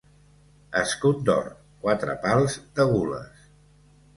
Escut d'or, quatre pals de gules.